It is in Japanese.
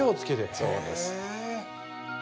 そうです。